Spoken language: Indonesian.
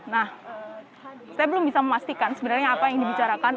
nah saya belum bisa memastikan sebenarnya apa yang dibicarakan